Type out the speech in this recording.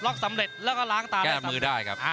็อกสำเร็จแล้วก็ล้างตาแบบมือได้ครับ